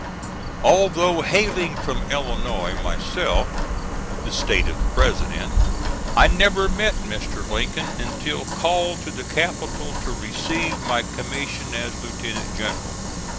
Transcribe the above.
Although hailing from Illinois myself, the State of the President, I never met Mr. Lincoln until called to the capital to receive my commission as lieutenant general.